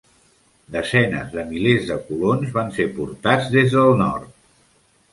Desenes de milers de colons van ser portats des del nord.